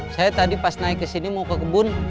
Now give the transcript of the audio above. saya tadi pas naik ke sini mau ke kebun